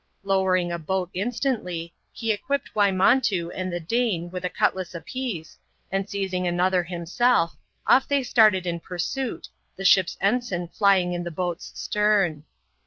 Lowering a boat instantlj, he equipped Wymontoo and the Dane with a cutlass a piece, and seizing another himself, off they started in pursuit, the ship's ensign flying in the boat's stern.